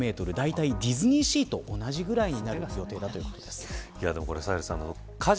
だいたいディズニーシーと同じぐらいになる予定ということです。